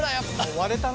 割れたな。